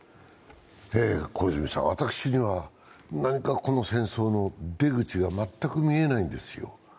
私には何かこの戦争の出口が全く見えないんですよ。